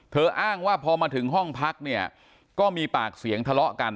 อ้างว่าพอมาถึงห้องพักเนี่ยก็มีปากเสียงทะเลาะกัน